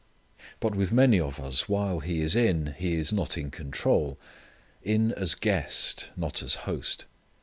But with many of us while He is in, He is not in control: in as guest; not as host.